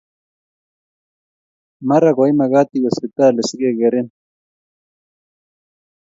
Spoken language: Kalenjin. Mara koemakat iwe siptalit sikekerin.